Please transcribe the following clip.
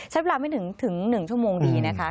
เวลาไม่ถึง๑ชั่วโมงดีนะคะ